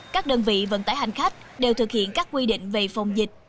các đơn vị vận tải hành khách đều thực hiện các quy định về phòng dịch